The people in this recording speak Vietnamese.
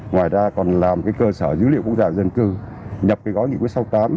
ngoài ra còn làm cơ sở dữ liệu quốc gia và dân cư nhập gói nghị quyết sáu mươi tám